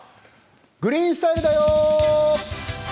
「グリーンスタイル」だよ。